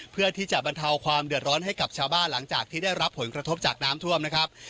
เพื่อที่จะบรรเทาความเดือดร้อนให้กับชาวบ้านหลังจากที่ได้รับผลกระทบจากน้ำท่วมนะครับ